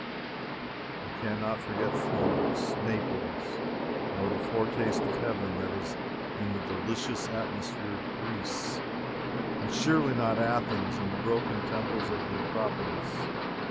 We can not forget Florence Naples nor the foretaste of heaven that is in the delicious atmosphere of Greece and surely not Athens and the broken temples of the Acropolis.